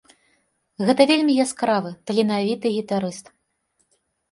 Гэта вельмі яскравы таленавіты гітарыст!